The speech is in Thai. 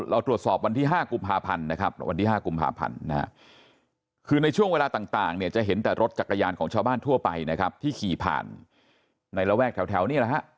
เราตรวจสอบวันที่๕กุมภาพันธ์นะครับวันที่๕กุมภาพันธ์นะฮะคือในช่วงเวลาต่างเนี่ยจะเห็นแต่รถจักรยานของชาวบ้านทั่วไปนะครับที่ขี่ผ่านในระแวกแถวนี่แหละฮะ